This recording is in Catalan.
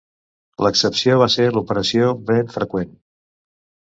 L'excepció va ser l'Operació Vent Freqüent.